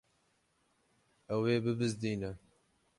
Ew ê bibizdîne.